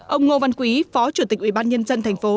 ông ngô văn quý phó chủ tịch ubnd thành phố